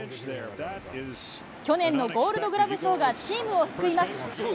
去年のゴールドグラブ賞がチームを救います。